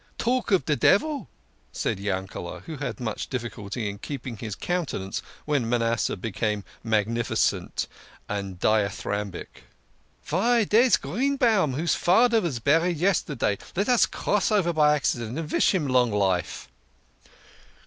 " Talk of de devil," said Yankele, who had much difficulty in keeping his countenance when Manasseh became mag nificent and dithyrambic. " Vy, dere is Greenbaum, whose fader vas buried yesterday. Let us cross over by accident and vish him long life."